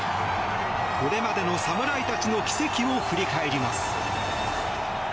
これまでの侍たちの軌跡を振り返ります。